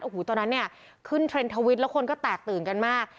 โอ้โหตอนนั้นเนี่ยขึ้นเทรนด์ทวิตแล้วคนก็แตกตื่นกันมาก